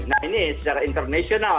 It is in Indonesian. nah ini secara internasional